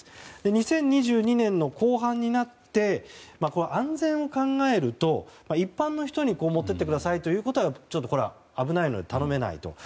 ２０２２年の後半になって安全を考えると一般の人に持っていってくださいということはちょっと危ないので頼めないと。